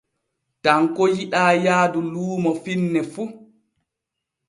Tanko yiɗaa yaadu luumo finne fu.